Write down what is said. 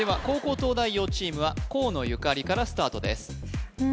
後攻東大王チームは河野ゆかりからスタートです